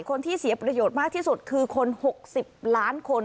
คนที่เสียประโยชน์มากที่สุดคือคน๖๐ล้านคน